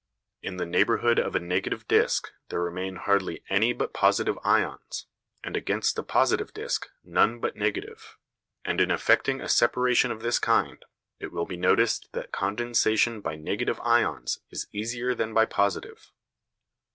In the neighbourhood of a negative disk there remain hardly any but positive ions, and against a positive disk none but negative; and in effecting a separation of this kind, it will be noticed that condensation by negative ions is easier than by the positive.